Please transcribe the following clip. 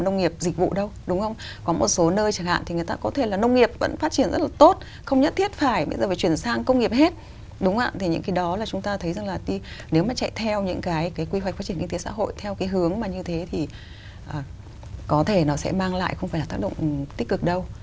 nó sẽ mang lại không phải là tác động tích cực đâu